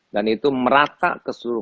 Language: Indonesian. dan itu merata ke seluruh